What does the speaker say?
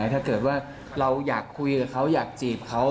ถ้าเกิดว่าเราอยากคุยกับเขาอยากจีบเขา